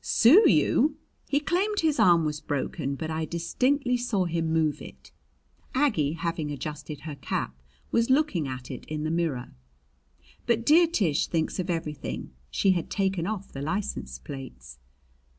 "Sue you!" "He claimed his arm was broken, but I distinctly saw him move it." Aggie, having adjusted her cap, was looking at it in the mirror. "But dear Tish thinks of everything. She had taken off the license plates."